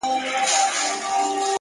امید انسان ژوندی ساتي!